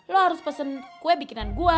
lo harus pesen kue bikinan gua